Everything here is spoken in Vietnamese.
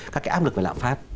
các áp lực về lạm pháp